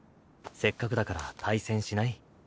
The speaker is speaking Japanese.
せっかくだから対戦しない？